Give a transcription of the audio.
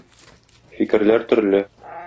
Фикерләр төрле.